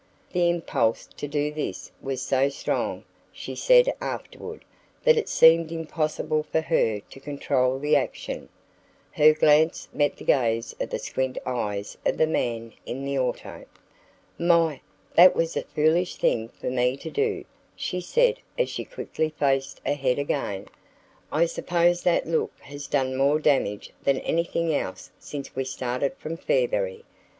The impulse to do this was so strong, she said afterward, that it seemed impossible for her to control the action. Her glance met the gaze of the squint eyes of the man in the auto. "My! that was a foolish thing for me to do," she said as she quickly faced ahead again. "I suppose that look has done more damage than anything else since we started from Fairberry.